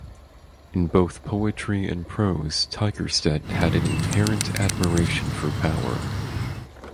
In both poetry and prose Tigerstedt had an inherent admiration for power.